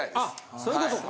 そういうことか。